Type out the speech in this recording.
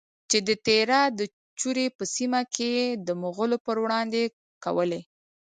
چې د تیرا د چورې په سیمه کې یې د مغولو پروړاندې کولې؛